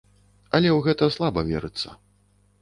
Але ў гэта слаба верыцца.